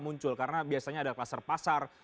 muncul karena biasanya ada kluster pasar